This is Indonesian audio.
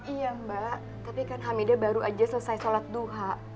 iya mbak tapi kan hamidah baru aja selesai sholat duha